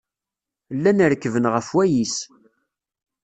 Llan rekkben ɣef wayis.